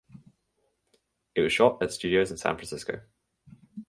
It was shot at studios in San Francisco.